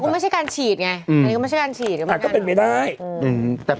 มันไม่ใช่การฉีดไงก็ไม่ดาย